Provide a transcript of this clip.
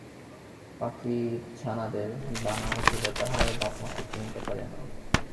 পাখীর ছানাদের ডানা উঠিলে তাহারা আর বাপ-মাকে চিনিতে পারে না।